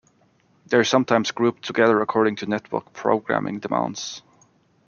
They are sometimes grouped together according to network programming demands.